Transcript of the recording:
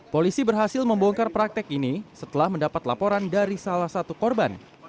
polisi berhasil membongkar praktek ini setelah mendapat laporan dari salah satu korban